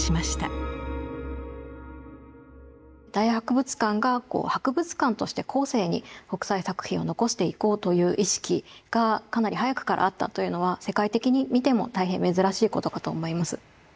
大英博物館が博物館として後世に北斎作品を残していこうという意識がかなり早くからあったというのは世界的に見ても大変珍しいことかと思います。